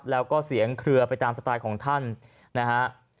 แล้วก็เสียงเครือไปตามสไตล์ของท่านนะฮะ